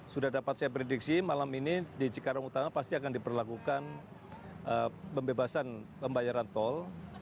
sudah dapat saya prediksi malam ini di cikarang utama pasti akan diperlakukan pembebasan pembayaran tol